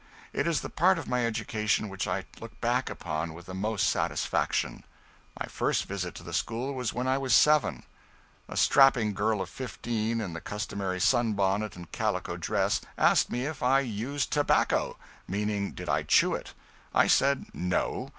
It is the part of my education which I look back upon with the most satisfaction. My first visit to the school was when I was seven. A strapping girl of fifteen, in the customary sunbonnet and calico dress, asked me if I "used tobacco" meaning did I chew it. I said, no.